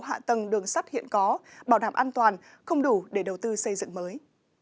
hạ tầng đường sắt hiện có bảo đảm an toàn không đủ để đầu tư xây dựng mới